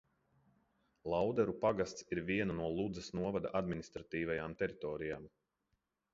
Lauderu pagasts ir viena no Ludzas novada administratīvajām teritorijām.